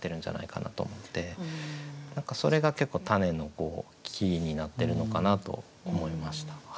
何かそれが結構たねのキーになってるのかなと思いました。